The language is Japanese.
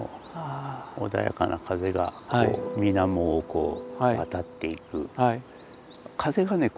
穏やかな風が水面をこう渡っていく風がね